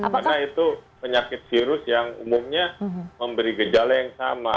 karena itu penyakit virus yang umumnya memberi gejala yang sama